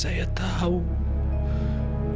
kamila kamu harus berhenti